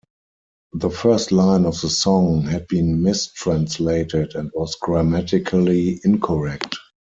The first line of the song had been mistranslated and was grammatically incorrect.